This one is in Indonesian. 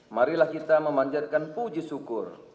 marilah kita memanjatkan puji syukur